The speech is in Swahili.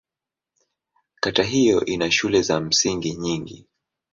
Kata hiyo ina shule za msingi nyingi.